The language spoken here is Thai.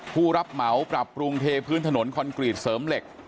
ผู้รับเหมาปรับปรุงเทพื้นถนนคอนกรีตเสริมเหล็ก